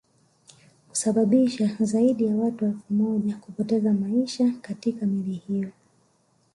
kusababisha zaidi ya watu elfu moja kupoteza maisha katika Meli hiyo